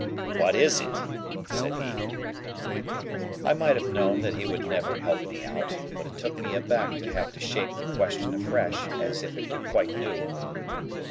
"What is it?" said he. I might have known that he would never help me out; but it took me aback to have to shape the question afresh, as if it were quite new.